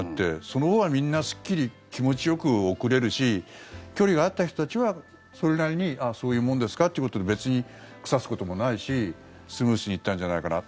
そのほうがみんなすっきり気持ちよく送れるし距離があった人たちはそれなりにそういうもんですかということで別に腐すこともないしスムーズに行ったんじゃないかな。